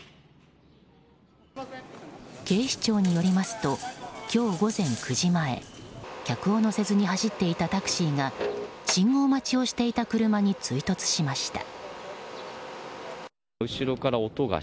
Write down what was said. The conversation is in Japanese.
警視庁によりますと今日午前９時前客を乗せずに走っていたタクシーが信号待ちをしていた車に追突しました。